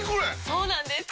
そうなんです！